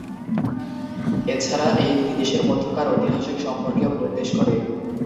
এছাড়াও এই দুই দেশের মধ্যকার ঐতিহাসিক সম্পর্কেও নির্দেশ করে।